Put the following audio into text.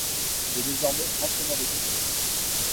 Il est désormais entraîneur de tennis.